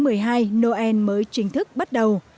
hôm nay noel mới chính thức bắt đầu